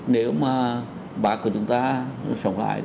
nếu mà bạc của chúng ta sống lại